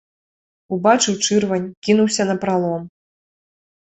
Убачыў чырвань, кінуўся напралом.